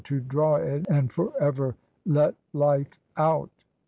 To draw it, and forever let life out.